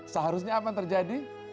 seharusnya apa yang terjadi